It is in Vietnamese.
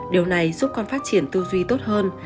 điều này giúp con phát triển tư duy tốt hơn